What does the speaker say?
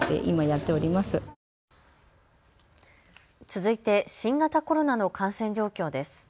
続いて新型コロナの感染状況です。